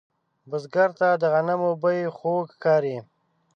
بزګر ته د غنمو بوی خوږ ښکاري